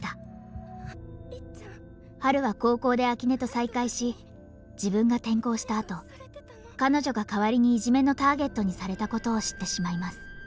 ハルは高校で秋音と再会し自分が転校したあと彼女が代わりにいじめのターゲットにされたことを知ってしまいます。